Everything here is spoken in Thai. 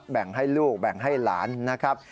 แบ่งให้ลูกแบ่งให้หลานนะครับ